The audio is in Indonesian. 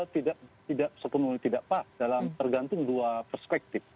tidak sepenuhnya tidak pas dalam tergantung dua perspektif